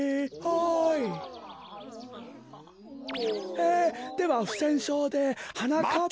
えではふせんしょうではなかっぱ。